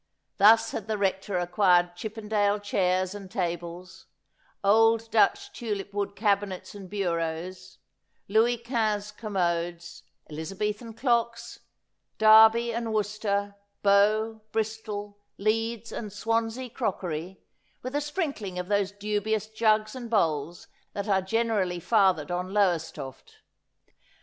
Thus had the Rector acquired Chippendale chairs and tables, old Dutch tulip wood cabinets and bureaus, Louis Quinze commodes, Elizabethan clocks, Derby and Worcester, Bow, Bristol, Leeds, and Swansea crockery, with a sprinkling of those dubious jugs and bowls that are generally fathered on Lowestoft.